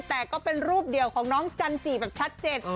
แต่ก็เป็นรูปเดียวของน้องจันจิแบบชัดเจน